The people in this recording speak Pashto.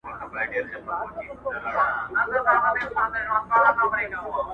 بې حسابه ستمګار دی، هغه کس